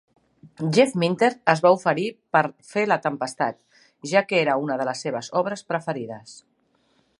Jeff Minter es va oferir per fer "La Tempestat", ja que era una de les seves obres preferides.